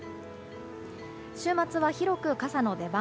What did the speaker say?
週末は広く傘の出番。